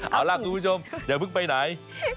เอาล่ะคุณผู้ชมอย่าเพิ่งไปไหน